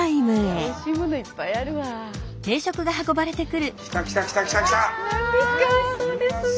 おいしそうですね。